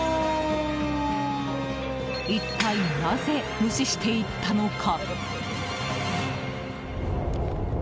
一体なぜ無視して行ったのか？